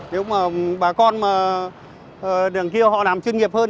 nếu mà bà con mà đường kia họ làm chuyên nghiệp hơn